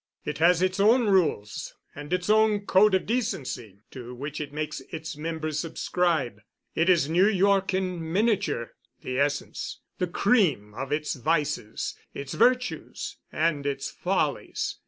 It has its own rules and its own code of decency to which it makes its members subscribe. It is New York in miniature, the essence, the cream of its vices, its virtues, and its follies.